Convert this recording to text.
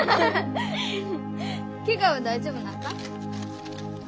ケガは大丈夫なんか？